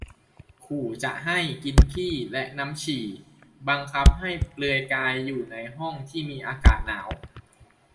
ขู่จะให้ 'กินขี้' และ 'น้ำฉี่' บังคับให้เปลือยกายอยู่ในห้องที่มีอากาศหนาว